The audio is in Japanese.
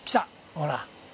ほら。